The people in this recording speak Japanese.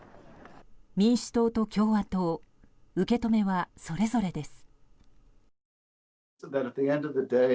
民主党と共和党受け止めはそれぞれです。